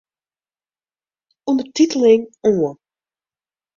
Undertiteling oan.